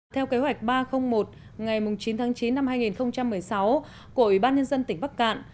theo kế hoạch ba trăm linh một ngày chín tháng chín năm hai nghìn một mươi sáu của ủy ban nhân dân tỉnh bắc cạn